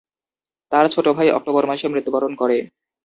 তার ছোট ভাই অক্টোবর মাসে মৃত্যুবরণ করে।